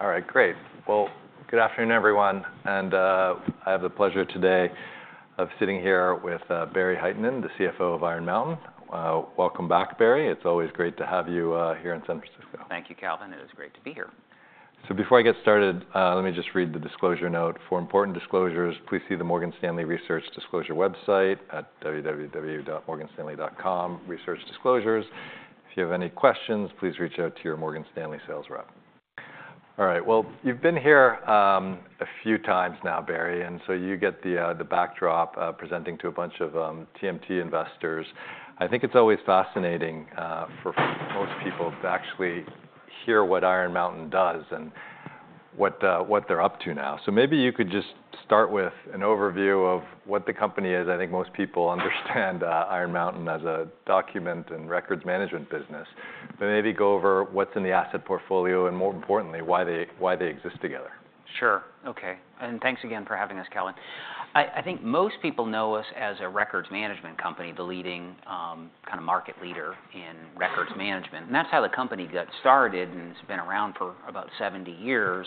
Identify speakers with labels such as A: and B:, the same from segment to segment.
A: Yeah, sure. All right, great. Good afternoon, everyone. I have the pleasure today of sitting here with Barry Hytinen, the CFO of Iron Mountain. Welcome back, Barry. It's always great to have you here in San Francisco.
B: Thank you, Calvin. It is great to be here.
A: So before I get started, let me just read the disclosure note. For important disclosures, please see the Morgan Stanley Research Disclosure website at www.morganstanley.com/researchdisclosures. If you have any questions, please reach out to your Morgan Stanley sales rep. All right, well, you've been here a few times now, Barry. And so you get the backdrop, presenting to a bunch of TMT investors. I think it's always fascinating for most people to actually hear what Iron Mountain does and what they're up to now. So maybe you could just start with an overview of what the company is. I think most people understand Iron Mountain as a document and records management business. But maybe go over what's in the asset portfolio and, more importantly, why they exist together.
B: Sure. OK. And thanks again for having us, Calvin. I think most people know us as a records management company, the leading kind of market leader in records management. And that's how the company got started. And it's been around for about 70 years,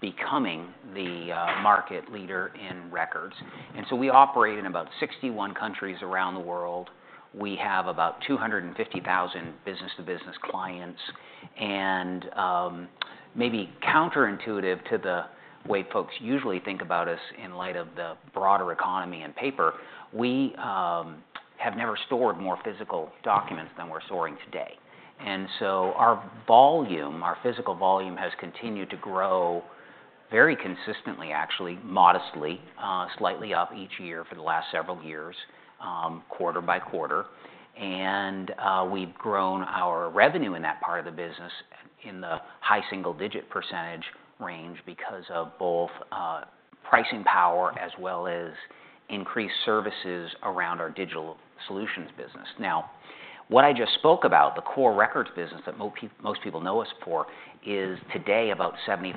B: becoming the market leader in records. And so we operate in about 61 countries around the world. We have about 250,000 business-to-business clients. And maybe counterintuitive to the way folks usually think about us in light of the broader economy and paper, we have never stored more physical documents than we're storing today. And so our volume, our physical volume, has continued to grow very consistently, actually, modestly, slightly up each year for the last several years, quarter by quarter. And we've grown our revenue in that part of the business in the high single-digit percentage range because of both pricing power as well as increased services around our digital solutions business. Now, what I just spoke about, the core records business that most people know us for, is today about 75%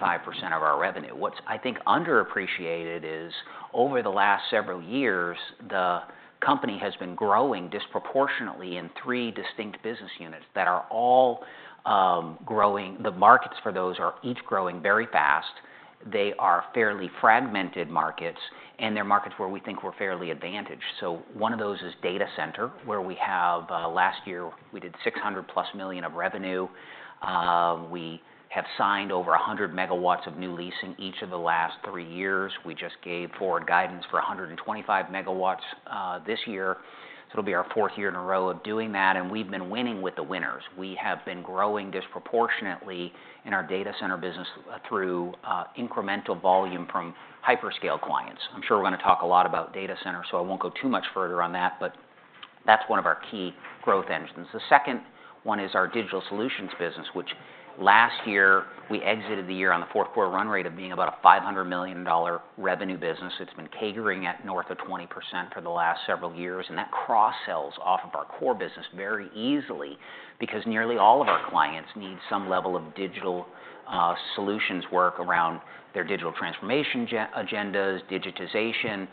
B: of our revenue. What's, I think, underappreciated is, over the last several years, the company has been growing disproportionately in three distinct business units that are all growing. The markets for those are each growing very fast. They are fairly fragmented markets. And they're markets where we think we're fairly advantaged. So one of those is data center, where we have last year, we did $600+ million of revenue. We have signed over 100 megawatts of new leasing each of the last three years. We just gave forward guidance for 125 megawatts this year. So it'll be our fourth year in a row of doing that. And we've been winning with the winners. We have been growing disproportionately in our data center business through incremental volume from hyperscale clients. I'm sure we're going to talk a lot about data center, so I won't go too much further on that. But that's one of our key growth engines. The second one is our digital solutions business, which last year we exited the year on the fourth quarter run rate of being about a $500 million revenue business. It's been growing at north of 20% for the last several years. And that cross-sells off of our core business very easily because nearly all of our clients need some level of digital solutions work around their digital transformation agendas, digitization.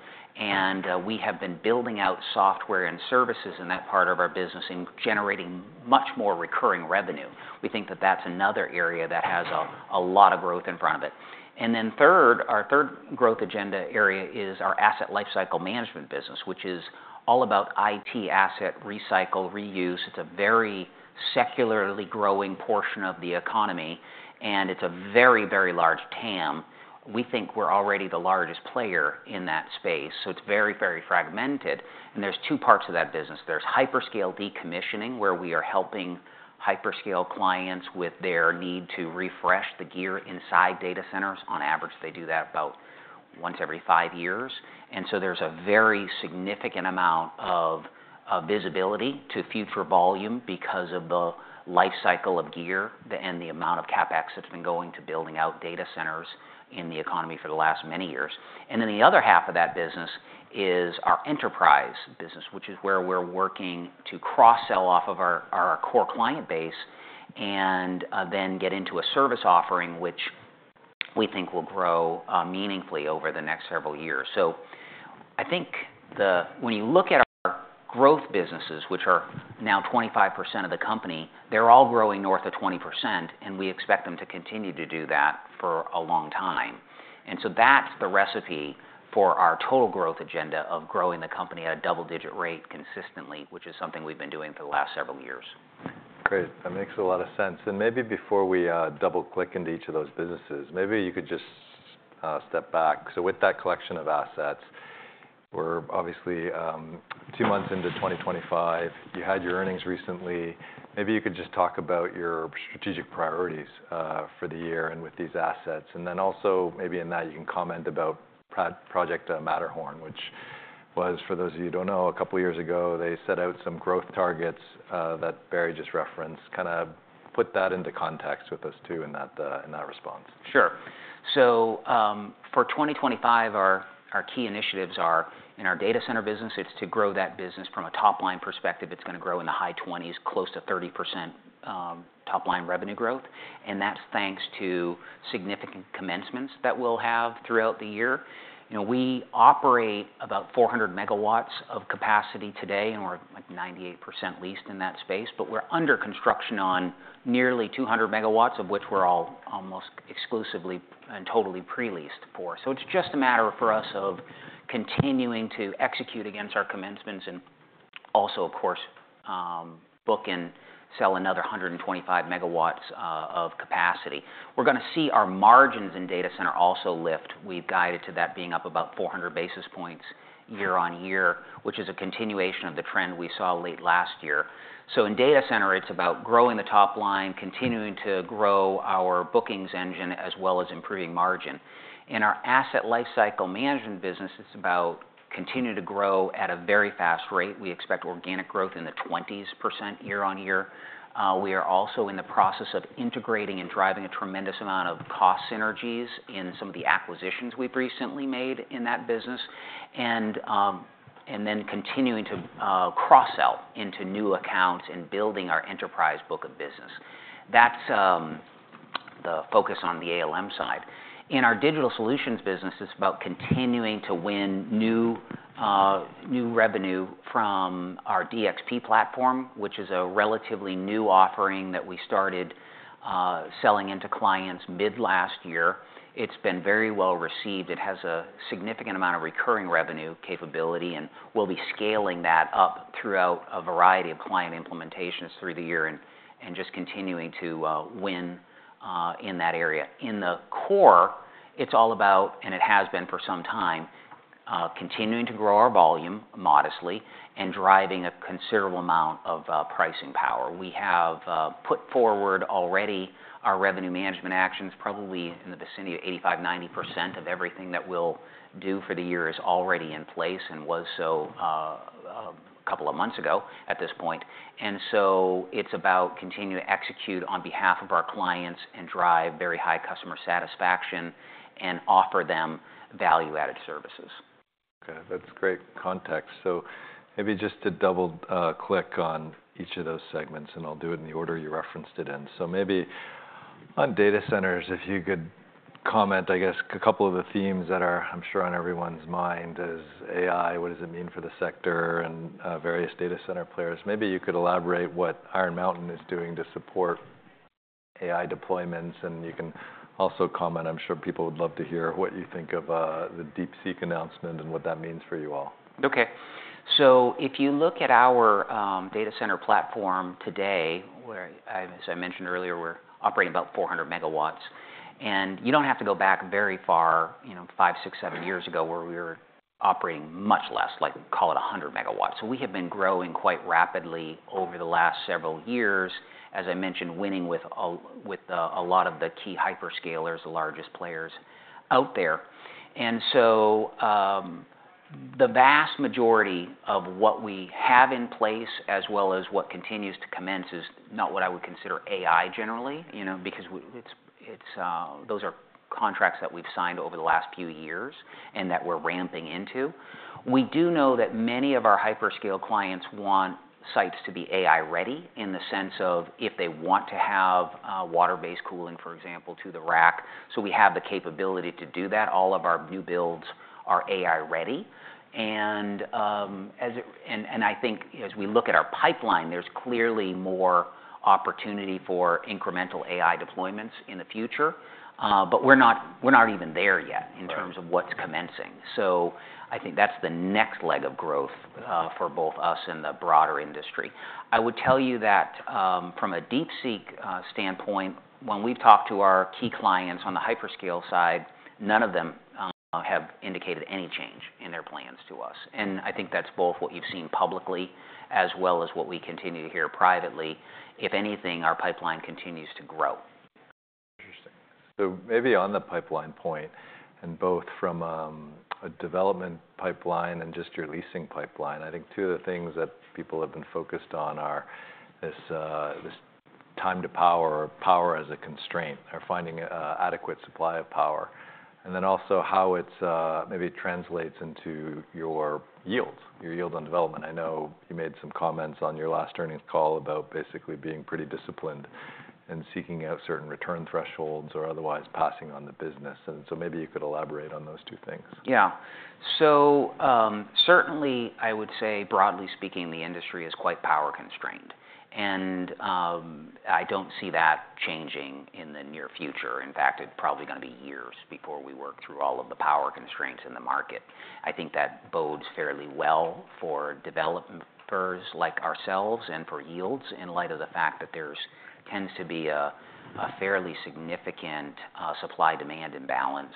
B: We have been building out software and services in that part of our business and generating much more recurring revenue. We think that that's another area that has a lot of growth in front of it. Then, our third growth agenda area is our Asset Lifecycle Management business, which is all about IT asset recycle, reuse. It's a very secularly growing portion of the economy. It's a very, very large TAM. We think we're already the largest player in that space. So it's very, very fragmented. There's two parts of that business. There's hyperscale decommissioning, where we are helping hyperscale clients with their need to refresh the gear inside data centers. On average, they do that about once every five years. And so there's a very significant amount of visibility to future volume because of the lifecycle of gear and the amount of CapEx that's been going to building out data centers in the economy for the last many years. And then the other half of that business is our enterprise business, which is where we're working to cross-sell off of our core client base and then get into a service offering, which we think will grow meaningfully over the next several years. So I think when you look at our growth businesses, which are now 25% of the company, they're all growing north of 20%. And we expect them to continue to do that for a long time. And so that's the recipe for our total growth agenda of growing the company at a double-digit rate consistently, which is something we've been doing for the last several years.
A: Great. That makes a lot of sense, and maybe before we double-click into each of those businesses, maybe you could just step back. So with that collection of assets, we're obviously two months into 2025. You had your earnings recently. Maybe you could just talk about your strategic priorities for the year and with these assets, and then also, maybe in that, you can comment about Project Matterhorn, which was, for those of you who don't know, a couple of years ago, they set out some growth targets that Barry just referenced. Kind of put that into context with us, too, in that response.
B: Sure. So for 2025, our key initiatives are in our data center business. It's to grow that business. From a top-line perspective, it's going to grow in the high 20s, close to 30% top-line revenue growth. And that's thanks to significant commencements that we'll have throughout the year. We operate about 400 megawatts of capacity today. And we're like 98% leased in that space. But we're under construction on nearly 200 megawatts, of which we're all almost exclusively and totally pre-leased for. So it's just a matter for us of continuing to execute against our commencements and also, of course, book and sell another 125 megawatts of capacity. We're going to see our margins in data center also lift. We've guided to that being up about 400 basis points year-on-year, which is a continuation of the trend we saw late last year. So in data center, it's about growing the top line, continuing to grow our bookings engine, as well as improving margin. In our Asset Lifecycle Management business, it's about continuing to grow at a very fast rate. We expect organic growth in the 20s% year-on-year. We are also in the process of integrating and driving a tremendous amount of cost synergies in some of the acquisitions we've recently made in that business and then continuing to cross-sell into new accounts and building our enterprise book of business. That's the focus on the ALM side. In our digital solutions business, it's about continuing to win new revenue from our DXP platform, which is a relatively new offering that we started selling into clients mid-last year. It's been very well received. It has a significant amount of recurring revenue capability. And we'll be scaling that up throughout a variety of client implementations through the year and just continuing to win in that area. In the core, it's all about, and it has been for some time, continuing to grow our volume modestly and driving a considerable amount of pricing power. We have put forward already our revenue management actions, probably in the vicinity of 85%, 90% of everything that we'll do for the year is already in place and was so a couple of months ago at this point. And so it's about continuing to execute on behalf of our clients and drive very high customer satisfaction and offer them value-added services.
A: OK. That's great context. So maybe just to double-click on each of those segments, and I'll do it in the order you referenced it in. So maybe on data centers, if you could comment, I guess, a couple of the themes that are, I'm sure, on everyone's mind is AI. What does it mean for the sector and various data center players? Maybe you could elaborate what Iron Mountain is doing to support AI deployments. And you can also comment. I'm sure people would love to hear what you think of the DeepSeek announcement and what that means for you all.
B: Okay. So if you look at our data center platform today, as I mentioned earlier, we're operating about 400 megawatts. And you don't have to go back very far, five, six, seven years ago, where we were operating much less, like call it 100 megawatts. So we have been growing quite rapidly over the last several years, as I mentioned, winning with a lot of the key hyperscalers, the largest players out there. And so the vast majority of what we have in place, as well as what continues to commence, is not what I would consider AI generally because those are contracts that we've signed over the last few years and that we're ramping into. We do know that many of our hyperscale clients want sites to be AI-ready in the sense of if they want to have water-based cooling, for example, to the rack. So we have the capability to do that. All of our new builds are AI-ready. And I think as we look at our pipeline, there's clearly more opportunity for incremental AI deployments in the future. But we're not even there yet in terms of what's commencing. So I think that's the next leg of growth for both us and the broader industry. I would tell you that from a DeepSeek standpoint, when we've talked to our key clients on the hyperscale side, none of them have indicated any change in their plans to us. And I think that's both what you've seen publicly as well as what we continue to hear privately. If anything, our pipeline continues to grow.
A: Interesting. So maybe on the pipeline point, and both from a development pipeline and just your leasing pipeline, I think two of the things that people have been focused on are this time to power, power as a constraint, or finding an adequate supply of power, and then also how it maybe translates into your yield, your yield on development. I know you made some comments on your last earnings call about basically being pretty disciplined and seeking out certain return thresholds or otherwise passing on the business, and so maybe you could elaborate on those two things.
B: Yeah. So certainly, I would say, broadly speaking, the industry is quite power constrained. And I don't see that changing in the near future. In fact, it's probably going to be years before we work through all of the power constraints in the market. I think that bodes fairly well for developers like ourselves and for yields in light of the fact that there tends to be a fairly significant supply-demand imbalance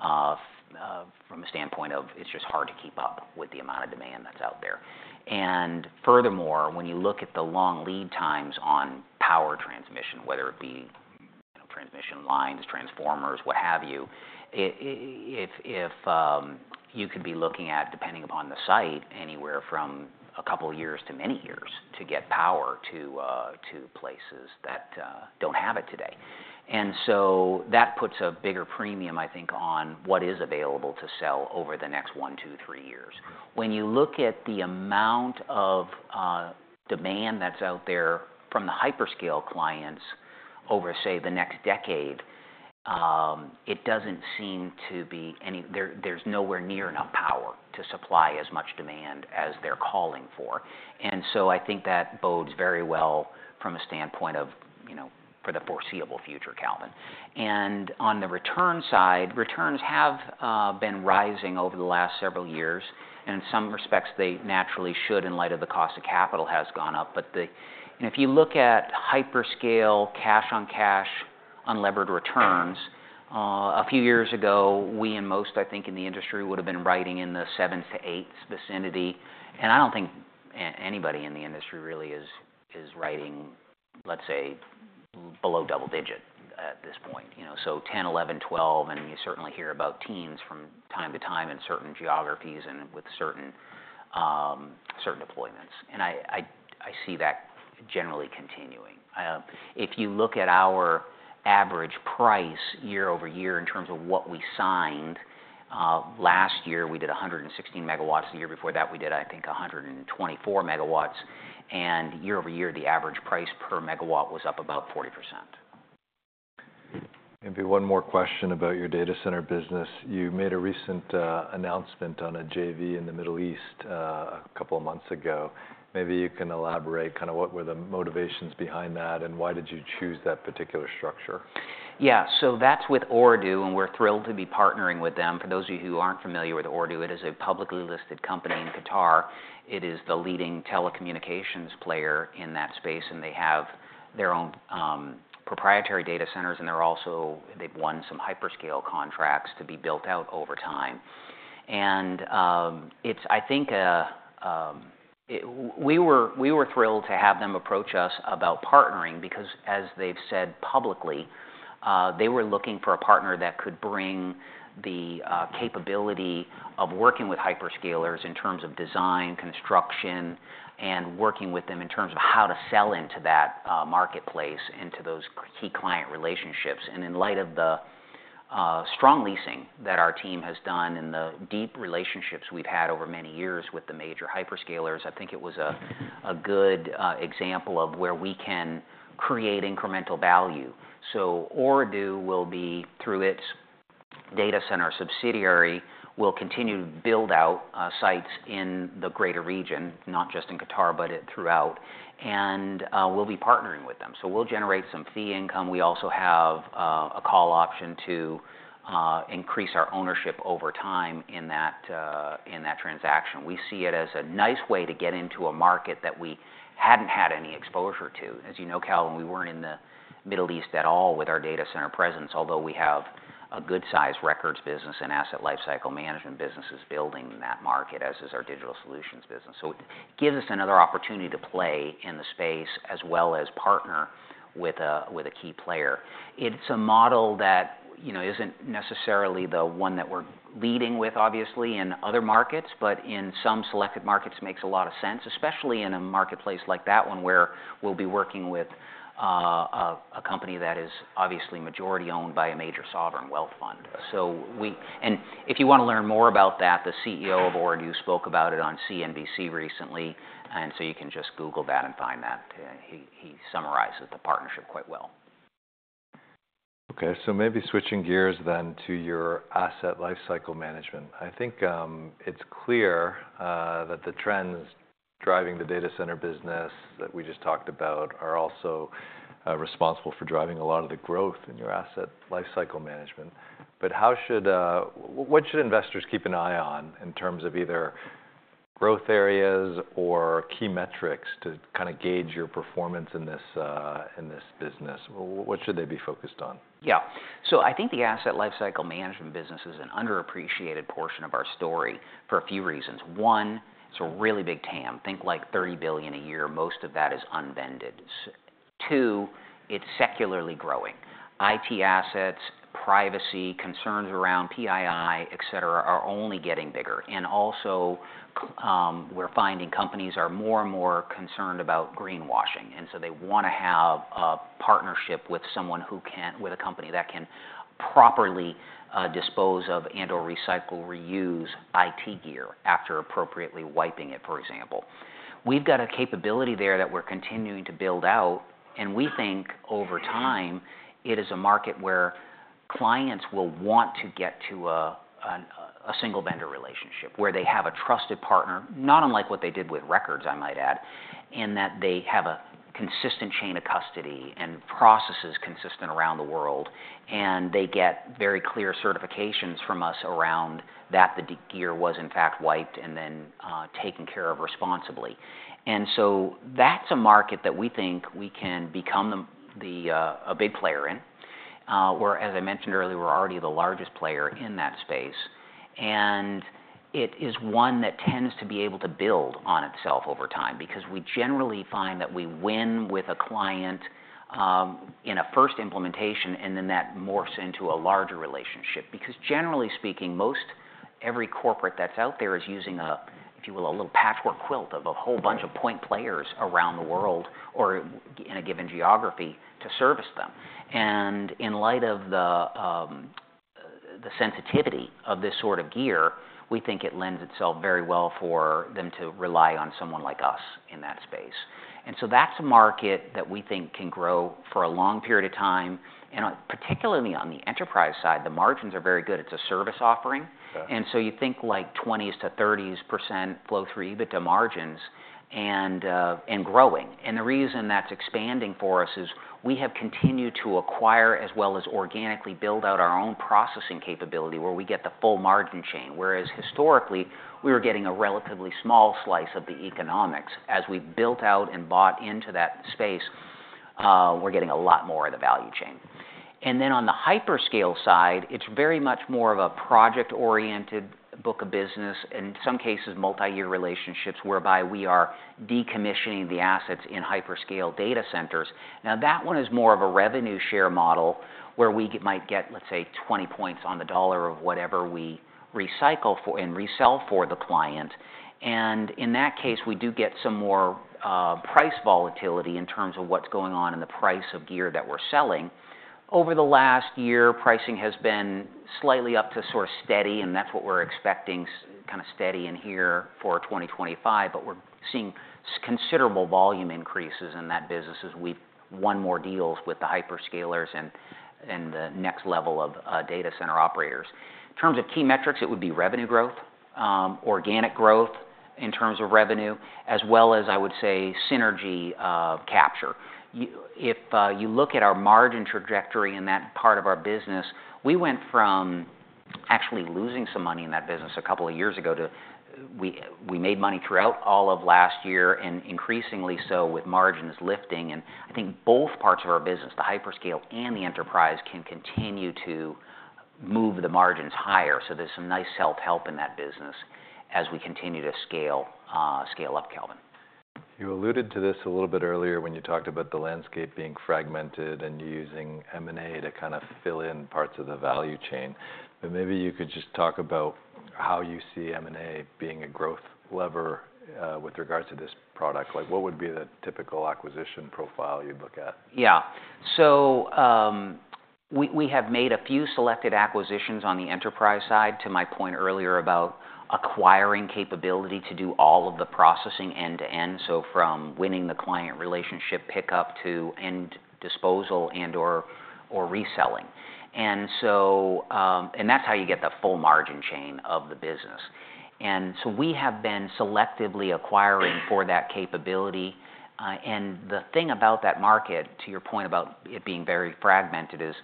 B: from a standpoint of it's just hard to keep up with the amount of demand that's out there. And furthermore, when you look at the long lead times on power transmission, whether it be transmission lines, transformers, what have you, if you could be looking at, depending upon the site, anywhere from a couple of years to many years to get power to places that don't have it today. And so that puts a bigger premium, I think, on what is available to sell over the next one, two, three years. When you look at the amount of demand that's out there from the hyperscale clients over, say, the next decade, it doesn't seem to be there's nowhere near enough power to supply as much demand as they're calling for. And so I think that bodes very well from a standpoint of for the foreseeable future, Calvin. And on the return side, returns have been rising over the last several years. And in some respects, they naturally should in light of the cost of capital has gone up. But if you look at hyperscale cash-on-cash unlevered returns, a few years ago, we and most, I think, in the industry would have been writing in the sevens to eights vicinity. And I don't think anybody in the industry really is writing, let's say, below double digit at this point, so 10, 11, 12. And you certainly hear about teens from time to time in certain geographies and with certain deployments. And I see that generally continuing. If you look at our average price year-over-year in terms of what we signed, last year we did 116 megawatts. The year before that, we did, I think, 124 megawatts. And year-over-year, the average price per megawatt was up about 40%.
A: Maybe one more question about your data center business. You made a recent announcement on a JV in the Middle East a couple of months ago. Maybe you can elaborate kind of what were the motivations behind that and why did you choose that particular structure?
B: Yeah, so that's with Ooredoo, and we're thrilled to be partnering with them. For those of you who aren't familiar with Ooredoo, it is a publicly listed company in Qatar. It is the leading telecommunications player in that space, and they have their own proprietary data centers, and they've won some hyperscale contracts to be built out over time, and I think we were thrilled to have them approach us about partnering because, as they've said publicly, they were looking for a partner that could bring the capability of working with hyperscalers in terms of design, construction, and working with them in terms of how to sell into that marketplace, into those key client relationships. In light of the strong leasing that our team has done and the deep relationships we've had over many years with the major hyperscalers, I think it was a good example of where we can create incremental value. Ooredoo will, through its data center subsidiary, continue to build out sites in the greater region, not just in Qatar, but throughout. We'll be partnering with them. We'll generate some fee income. We also have a call option to increase our ownership over time in that transaction. We see it as a nice way to get into a market that we hadn't had any exposure to. As you know, Calvin, we weren't in the Middle East at all with our data center presence, although we have a good-sized records business and Asset Lifecycle Management businesses building that market, as is our digital solutions business. So it gives us another opportunity to play in the space as well as partner with a key player. It's a model that isn't necessarily the one that we're leading with, obviously, in other markets. But in some selected markets, it makes a lot of sense, especially in a marketplace like that one where we'll be working with a company that is obviously majority owned by a major sovereign wealth fund. And if you want to learn more about that, the CEO of Ooredoo spoke about it on CNBC recently. And so you can just Google that and find that. He summarizes the partnership quite well.
A: OK. So maybe switching gears then to your Asset Lifecycle Management. I think it's clear that the trends driving the data center business that we just talked about are also responsible for driving a lot of the growth in your Asset Lifecycle Management. But what should investors keep an eye on in terms of either growth areas or key metrics to kind of gauge your performance in this business? What should they be focused on?
B: Yeah. So I think the Asset Lifecycle Management business is an underappreciated portion of our story for a few reasons. One, it's a really big TAM. Think like $30 billion a year. Most of that is unpenetrated. Two, it's secularly growing. IT assets, privacy, concerns around PII, et cetera, are only getting bigger. And also, we're finding companies are more and more concerned about greenwashing. And so they want to have a partnership with someone who can, with a company that can properly dispose of and/or recycle, reuse IT gear after appropriately wiping it, for example. We've got a capability there that we're continuing to build out. And we think over time, it is a market where clients will want to get to a single vendor relationship where they have a trusted partner, not unlike what they did with records, I might add, in that they have a consistent chain of custody and processes consistent around the world. And they get very clear certifications from us around that the gear was, in fact, wiped and then taken care of responsibly. And so that's a market that we think we can become a big player in. Where, as I mentioned earlier, we're already the largest player in that space. And it is one that tends to be able to build on itself over time because we generally find that we win with a client in a first implementation and then that morphs into a larger relationship. Because generally speaking, most every corporate that's out there is using, if you will, a little patchwork quilt of a whole bunch of point players around the world or in a given geography to service them. And in light of the sensitivity of this sort of gear, we think it lends itself very well for them to rely on someone like us in that space. And so that's a market that we think can grow for a long period of time. And particularly on the enterprise side, the margins are very good. It's a service offering. And so you think like 20%-30% flow-through EBITDA margins and growing. And the reason that's expanding for us is we have continued to acquire as well as organically build out our own processing capability where we get the full margin chain. Whereas historically, we were getting a relatively small slice of the economics. As we've built out and bought into that space, we're getting a lot more of the value chain. And then on the hyperscale side, it's very much more of a project-oriented book of business, in some cases multi-year relationships whereby we are decommissioning the assets in hyperscale data centers. Now that one is more of a revenue share model where we might get, let's say, 20 points on the dollar of whatever we recycle and resell for the client. And in that case, we do get some more price volatility in terms of what's going on in the price of gear that we're selling. Over the last year, pricing has been slightly up to sort of steady. And that's what we're expecting, kind of steady in here for 2025. But we're seeing considerable volume increases in that business as we've won more deals with the hyperscalers and the next level of data center operators. In terms of key metrics, it would be revenue growth, organic growth in terms of revenue, as well as, I would say, synergy capture. If you look at our margin trajectory in that part of our business, we went from actually losing some money in that business a couple of years ago to we made money throughout all of last year and increasingly so with margins lifting. And I think both parts of our business, the hyperscale and the enterprise, can continue to move the margins higher. So there's some nice self-help in that business as we continue to scale up, Calvin.
A: You alluded to this a little bit earlier when you talked about the landscape being fragmented and you're using M&A to kind of fill in parts of the value chain. But maybe you could just talk about how you see M&A being a growth lever with regards to this product. What would be the typical acquisition profile you'd look at?
B: Yeah. So we have made a few selected acquisitions on the enterprise side to my point earlier about acquiring capability to do all of the processing end-to-end, so from winning the client relationship pickup to end disposal and/or reselling. And that's how you get the full margin chain of the business. And so we have been selectively acquiring for that capability. And the thing about that market, to your point about it being very fragmented, is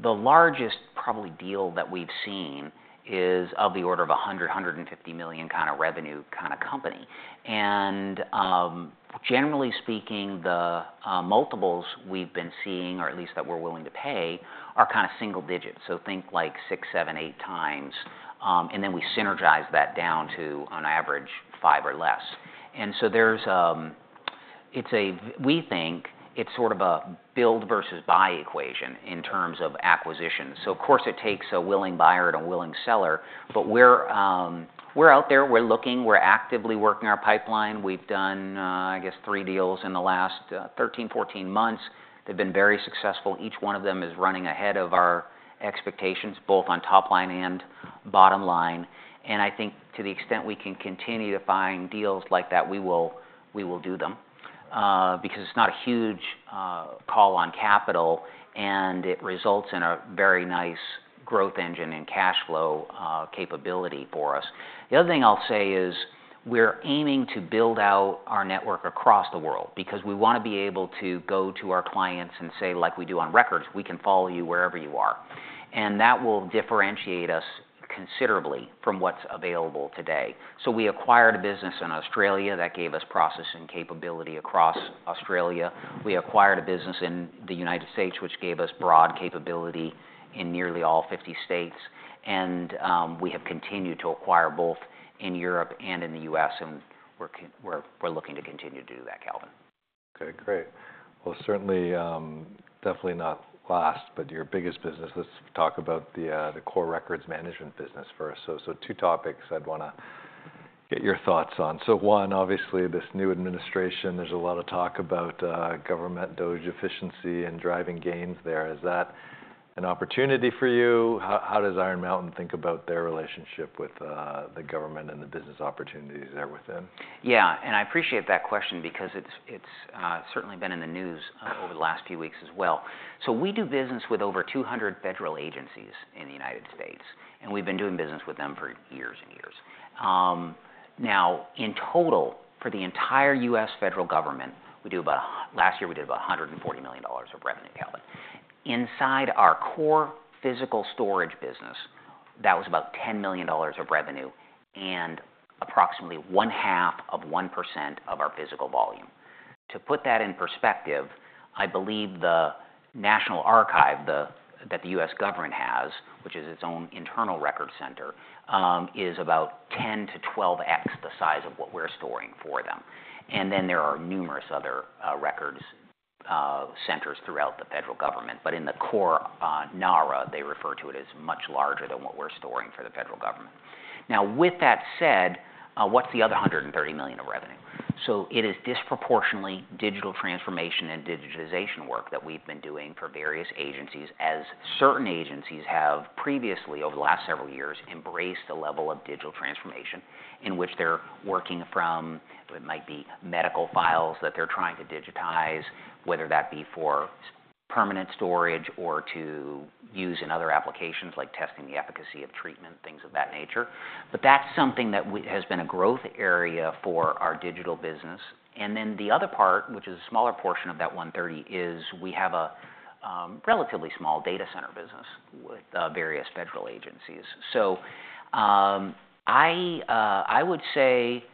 B: the largest probably deal that we've seen is of the order of $100 million-$150 million kind of revenue kind of company. And generally speaking, the multiples we've been seeing, or at least that we're willing to pay, are kind of single digits. So think like six, seven, eight times. And then we synergize that down to, on average, five or less. And so we think it's sort of a build versus buy equation in terms of acquisition. So of course, it takes a willing buyer and a willing seller. But we're out there. We're looking. We're actively working our pipeline. We've done, I guess, three deals in the last 13 months-14 months. They've been very successful. Each one of them is running ahead of our expectations, both on top line and bottom line. And I think to the extent we can continue to find deals like that, we will do them because it's not a huge call on capital. And it results in a very nice growth engine and cash flow capability for us. The other thing I'll say is we're aiming to build out our network across the world because we want to be able to go to our clients and say, like we do on records, we can follow you wherever you are. And that will differentiate us considerably from what's available today. So we acquired a business in Australia that gave us processing capability across Australia. We acquired a business in the United States, which gave us broad capability in nearly all 50 states. And we have continued to acquire both in Europe and in the U.S. And we're looking to continue to do that, Calvin.
A: OK. Great. Well, certainly, definitely not last, but your biggest business. Let's talk about the core records management business first. So two topics I'd want to get your thoughts on. So one, obviously, this new administration, there's a lot of talk about government, DOGE efficiency, and driving gains there. Is that an opportunity for you? How does Iron Mountain think about their relationship with the government and the business opportunities there within?
B: Yeah. And I appreciate that question because it's certainly been in the news over the last few weeks as well. So we do business with over 200 federal agencies in the United States. And we've been doing business with them for years and years. Now in total, for the entire U.S. federal government, last year we did about $140 million of revenue, Calvin. Inside our core physical storage business, that was about $10 million of revenue and approximately 0.5% of our physical volume. To put that in perspective, I believe the National Archives that the U.S. government has, which is its own internal record center, is about 10X-12X the size of what we're storing for them. And then there are numerous other records centers throughout the federal government. But in the core NARA, they refer to it as much larger than what we're storing for the federal government. Now with that said, what's the other $130 million of revenue? So it is disproportionately digital transformation and digitization work that we've been doing for various agencies as certain agencies have previously, over the last several years, embraced a level of digital transformation in which they're working from what might be medical files that they're trying to digitize, whether that be for permanent storage or to use in other applications like testing the efficacy of treatment, things of that nature. But that's something that has been a growth area for our digital business. And then the other part, which is a smaller portion of that $130 million, is we have a relatively small data center business with various federal agencies. So I would say,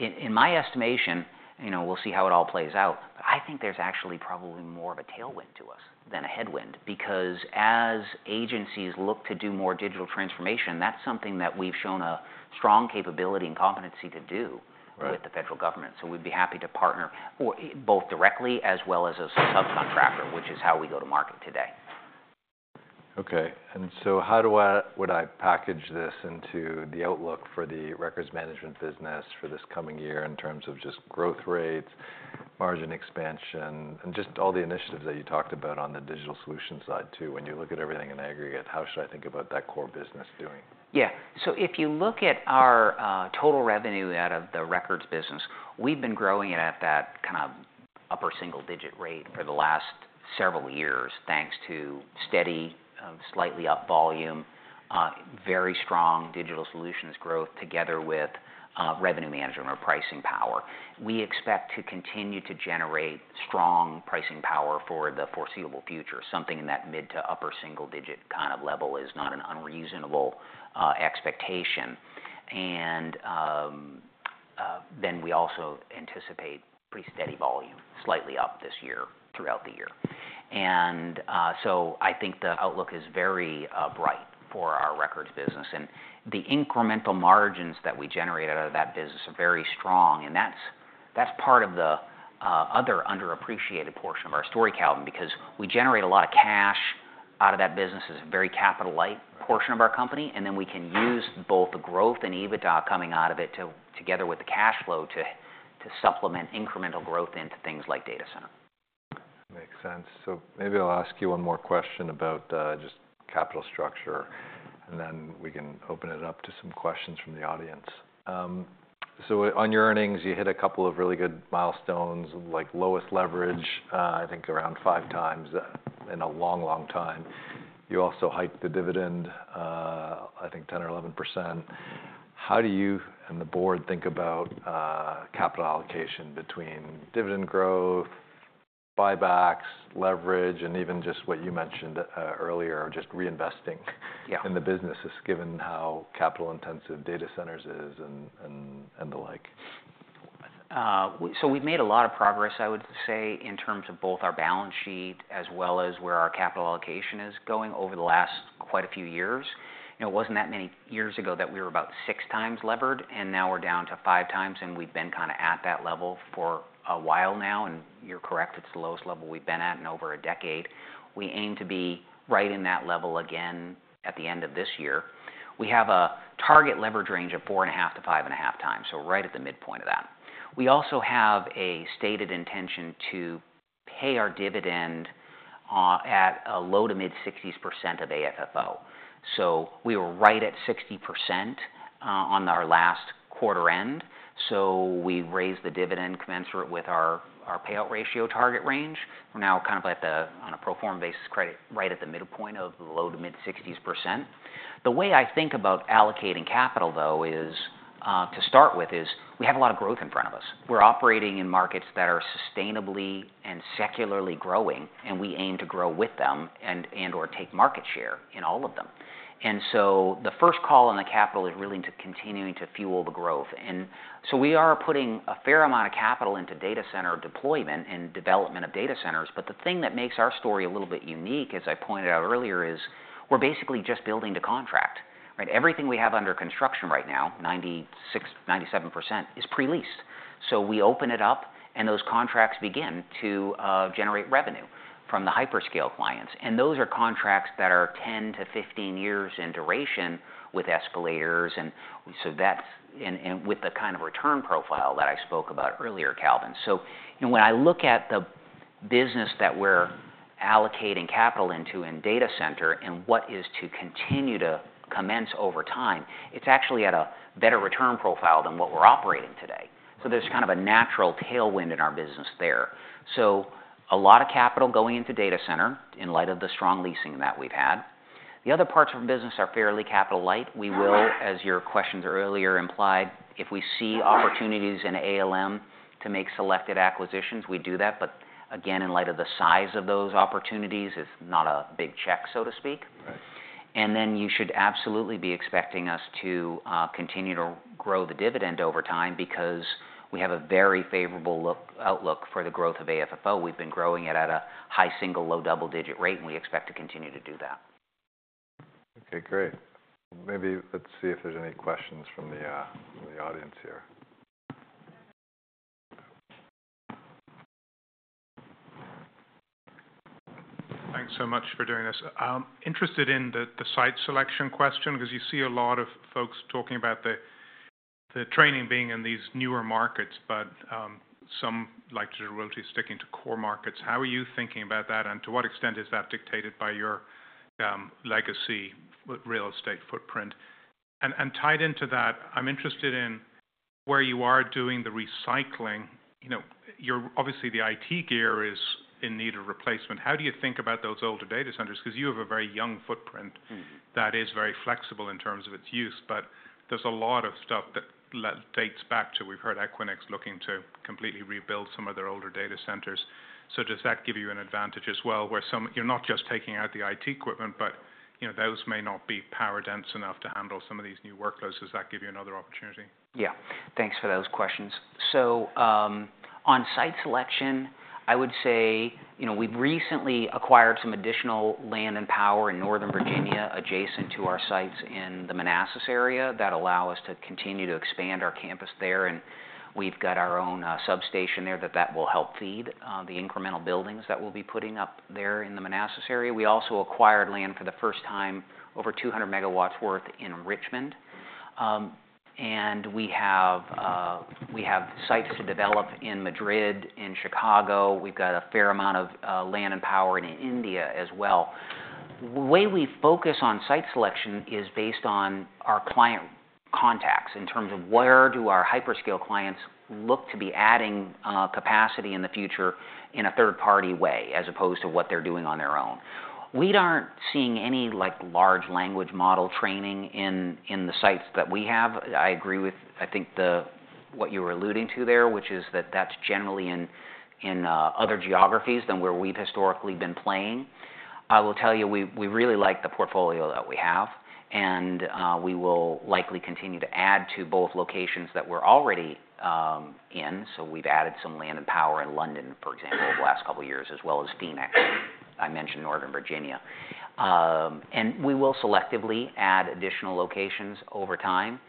B: in my estimation, we'll see how it all plays out. But I think there's actually probably more of a tailwind to us than a headwind because as agencies look to do more digital transformation, that's something that we've shown a strong capability and competency to do with the federal government. So we'd be happy to partner both directly as well as a subcontractor, which is how we go to market today.
A: OK. And so how would I package this into the outlook for the records management business for this coming year in terms of just growth rates, margin expansion, and just all the initiatives that you talked about on the digital solution side too? When you look at everything in aggregate, how should I think about that core business doing?
B: Yeah. So if you look at our total revenue out of the records business, we've been growing it at that kind of upper single digit rate for the last several years thanks to steady, slightly up volume, very strong digital solutions growth together with revenue management or pricing power. We expect to continue to generate strong pricing power for the foreseeable future. Something in that mid to upper single digit kind of level is not an unreasonable expectation. And then we also anticipate pretty steady volume, slightly up this year throughout the year. And so I think the outlook is very bright for our records business. And the incremental margins that we generate out of that business are very strong. And that's part of the other underappreciated portion of our story, Calvin, because we generate a lot of cash out of that business. It's a very capital-light portion of our company, and then we can use both the growth and EBITDA coming out of it together with the cash flow to supplement incremental growth into things like data center.
A: Makes sense, so maybe I'll ask you one more question about just capital structure. And then we can open it up to some questions from the audience, so on your earnings, you hit a couple of really good milestones, like lowest leverage, I think around five times in a long, long time. You also hiked the dividend, I think 10% or 11%. How do you and the board think about capital allocation between dividend growth, buybacks, leverage, and even just what you mentioned earlier of just reinvesting in the businesses given how capital-intensive data centers is and the like?
B: So we've made a lot of progress, I would say, in terms of both our balance sheet as well as where our capital allocation is going over the last quite a few years. It wasn't that many years ago that we were about six times levered. And now we're down to five times. And we've been kind of at that level for a while now. And you're correct. It's the lowest level we've been at in over a decade. We aim to be right in that level again at the end of this year. We have a target leverage range of 4.5x to 5.5x. So we're right at the midpoint of that. We also have a stated intention to pay our dividend at a low to mid 60% of AFFO. So we were right at 60% on our last quarter end. So we raised the dividend commensurate with our payout ratio target range. We're now kind of on a pro forma basis credit right at the midpoint of the low to mid 60%. The way I think about allocating capital, though, to start with, is we have a lot of growth in front of us. We're operating in markets that are sustainably and secularly growing. And we aim to grow with them and/or take market share in all of them. And so the first call on the capital is really to continue to fuel the growth. And so we are putting a fair amount of capital into data center deployment and development of data centers. But the thing that makes our story a little bit unique, as I pointed out earlier, is we're basically just building the contract. Everything we have under construction right now, 96%, 97%, is pre-leased. So we open it up. And those contracts begin to generate revenue from the hyperscale clients. And those are contracts that are 10 to 15 years in duration with escalators. And with the kind of return profile that I spoke about earlier, Calvin. So when I look at the business that we're allocating capital into in data center and what is to continue to commence over time, it's actually at a better return profile than what we're operating today. So there's kind of a natural tailwind in our business there. So a lot of capital going into data center in light of the strong leasing that we've had. The other parts of our business are fairly capital-light. We will, as your questions earlier implied, if we see opportunities in ALM to make selected acquisitions, we do that. But again, in light of the size of those opportunities, it's not a big check, so to speak. And then you should absolutely be expecting us to continue to grow the dividend over time because we have a very favorable outlook for the growth of AFFO. We've been growing it at a high single, low double digit rate. And we expect to continue to do that.
A: OK. Great. Maybe let's see if there's any questions from the audience here. Thanks so much for doing this. I'm interested in the site selection question because you see a lot of folks talking about the training being in these newer markets. But some like to do really sticking to core markets. How are you thinking about that? And to what extent is that dictated by your legacy real estate footprint? And tied into that, I'm interested in where you are doing the recycling. Obviously, the IT gear is in need of replacement. How do you think about those older data centers? Because you have a very young footprint that is very flexible in terms of its use. But there's a lot of stuff that dates back to we've heard Equinix looking to completely rebuild some of their older data centers. So does that give you an advantage as well where you're not just taking out the IT equipment, but those may not be power dense enough to handle some of these new workloads? Does that give you another opportunity?
B: Yeah. Thanks for those questions. So on site selection, I would say we've recently acquired some additional land and power in Northern Virginia adjacent to our sites in the Manassas area that allow us to continue to expand our campus there. And we've got our own substation there that will help feed the incremental buildings that we'll be putting up there in the Manassas area. We also acquired land for the first time, over 200 megawatts worth, in Richmond. And we have sites to develop in Madrid, in Chicago. We've got a fair amount of land and power in India as well. The way we focus on site selection is based on our client contacts in terms of where do our hyperscale clients look to be adding capacity in the future in a third-party way as opposed to what they're doing on their own. We aren't seeing any large language model training in the sites that we have. I agree with, I think, what you were alluding to there, which is that that's generally in other geographies than where we've historically been playing. I will tell you, we really like the portfolio that we have. And we will likely continue to add to both locations that we're already in. So we've added some land and power in London, for example, over the last couple of years, as well as Phoenix. I mentioned Northern Virginia. And we will selectively add additional locations over time,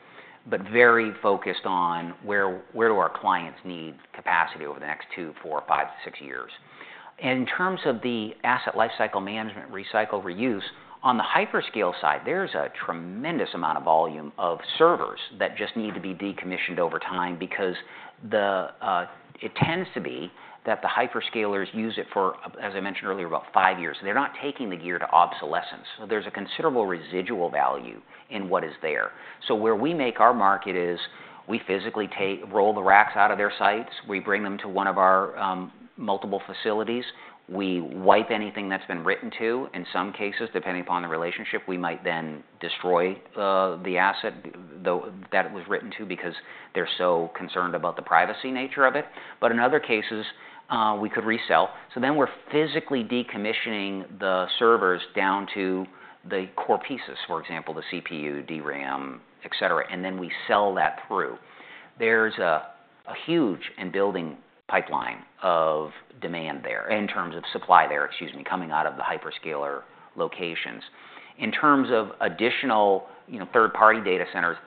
B: but very focused on where do our clients need capacity over the next two, four, five, six years. In terms of the Asset Lifecycle Management, recycle, reuse, on the hyperscale side, there's a tremendous amount of volume of servers that just need to be decommissioned over time because it tends to be that the hyperscalers use it for, as I mentioned earlier, about five years. They're not taking the gear to obsolescence. There's a considerable residual value in what is there. Where we make our market is we physically roll the racks out of their sites. We bring them to one of our multiple facilities. We wipe anything that's been written to. In some cases, depending upon the relationship, we might then destroy the asset that it was written to because they're so concerned about the privacy nature of it. But in other cases, we could resell. So then we're physically decommissioning the servers down to the core pieces, for example, the CPU, DRAM, et cetera. And then we sell that through. There's a huge in-building pipeline of demand there in terms of supply there, excuse me, coming out of the hyperscaler locations. In terms of additional third-party data centers,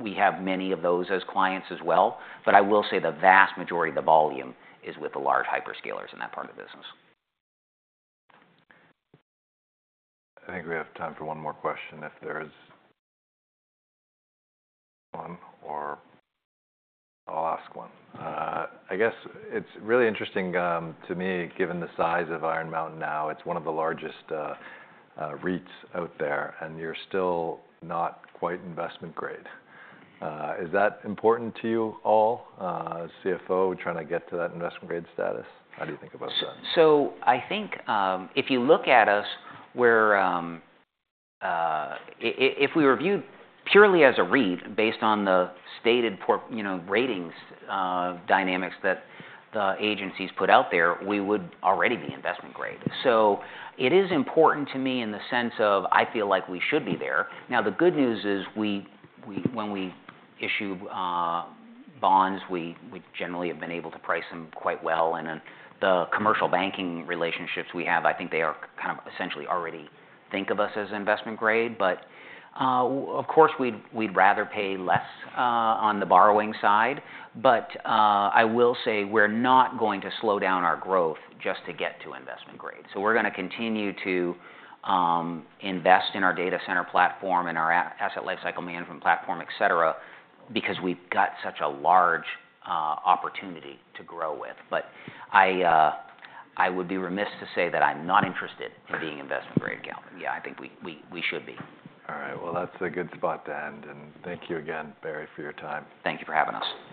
B: we have many of those as clients as well. But I will say the vast majority of the volume is with the large hyperscalers in that part of the business.
A: I think we have time for one more question if there is one. Or I'll ask one. I guess it's really interesting to me, given the size of Iron Mountain now. It's one of the largest REITs out there. And you're still not quite investment grade. Is that important to you all, CFO, trying to get to that investment grade status? How do you think about that?
B: So I think if you look at us, if we were viewed purely as a REIT based on the stated ratings dynamics that the agencies put out there, we would already be investment grade. So it is important to me in the sense of I feel like we should be there. Now, the good news is when we issue bonds, we generally have been able to price them quite well. And the commercial banking relationships we have, I think they are kind of essentially already think of us as investment grade. But of course, we'd rather pay less on the borrowing side. But I will say we're not going to slow down our growth just to get to investment grade. So we're going to continue to invest in our data center platform and our Asset Lifecycle Management platform, et cetera, because we've got such a large opportunity to grow with. But I would be remiss to say that I'm not interested in being investment grade, Calvin. Yeah, I think we should be.
A: All right. Well, that's a good spot to end. And thank you again, Barry, for your time.
B: Thank you for having us.